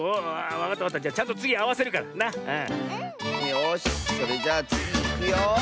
よしそれじゃあつぎいくよ。